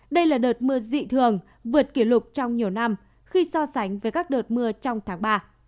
đây là đợt mưa dị thường vượt kỷ lục trong nhiều năm khi so sánh với các đợt mưa trong tháng ba